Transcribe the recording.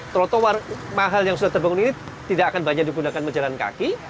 trotoar mahal yang sudah terbangun ini tidak akan banyak digunakan berjalan kaki